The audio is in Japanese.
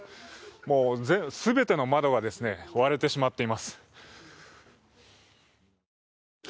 もう全ての窓が割れてしまっています。